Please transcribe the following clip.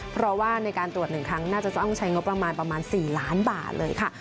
เพราะว่าในการตรวจ๑ครั้งน่าจะต้องใช้งบประมาณประมาณ๔ล้านบาทเลยค่ะ